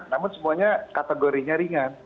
namun semuanya kategorinya ringan